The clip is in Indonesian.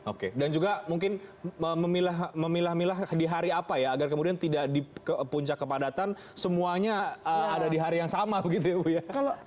oke dan juga mungkin memilah milah di hari apa ya agar kemudian tidak di puncak kepadatan semuanya ada di hari yang sama begitu ya bu ya